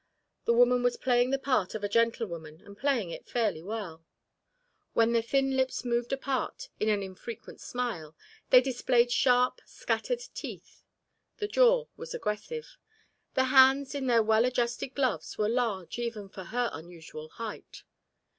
The woman was playing the part of a gentlewoman and playing it fairly well. When the thin lips moved apart in an infrequent smile they displayed sharp scattered teeth. The jaw was aggressive. The hands in their well adjusted gloves were large even for her unusual height.